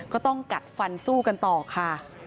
ก็ต้องกัดฟันสู้กันต่อค่ะ